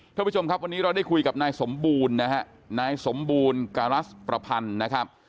ท่านผู้ชมครับวันนี้เราได้คุยกับนายสมบูรณ์นะฮะนายสมบูรณ์การัสประพันธ์นะครับ